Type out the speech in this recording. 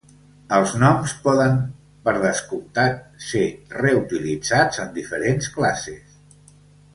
Els noms poden, per descomptat, ser reutilitzats en diferents classes.